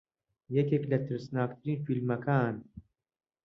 یەکێک لە ترسناکترین فیلمەکان